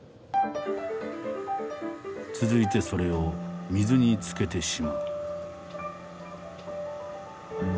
続いてそれを水につけてしまう。